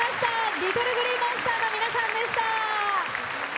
ＬｉｔｔｌｅＧｌｅｅＭｏｎｓｔｅｒの皆さんでした。